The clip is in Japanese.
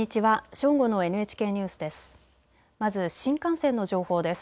正午のＮＨＫニュースです。